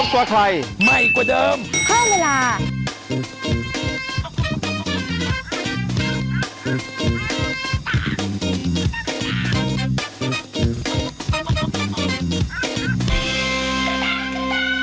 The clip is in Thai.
คุณแม่งคุณแม่ง